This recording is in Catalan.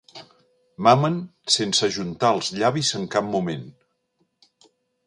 Mamen sense ajuntar els llavis en cap moment.